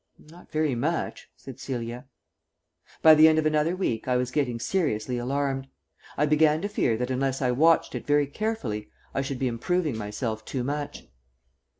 "Not very much," said Celia. By the end of another week I was getting seriously alarmed. I began to fear that unless I watched it very carefully I should be improving myself too much.